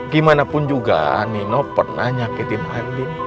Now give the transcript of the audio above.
gimanapun juga nino pernah nyakitin andin